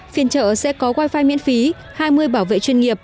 phiên trợ sẽ có wifi miễn phí hai mươi bảo vệ chuyên nghiệp